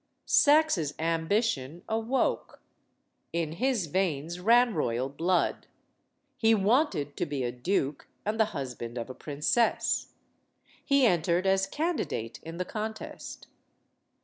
Saxe's ambition awoke. In his veins ran royal blood. He wanted to be a duke and the husband of a princess. He entered as candidate in the contest.